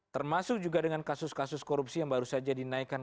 termasuk juga dengan kasus kasus korupsi yang baru saja dinaikkan